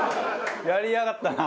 やりやがったな。